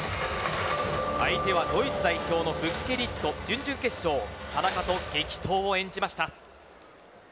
相手はドイツ代表のブッケリット準々決勝田中と激闘を演じました。